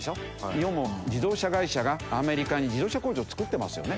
日本も自動車会社がアメリカに自動車工場を造ってますよね。